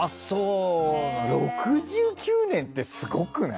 ６９年ってすごくない？